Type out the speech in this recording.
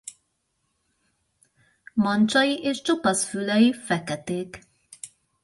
Mancsai és csupasz fülei feketék.